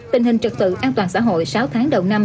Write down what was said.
tình hình trực tự an toàn xã hội sáu tháng đầu năm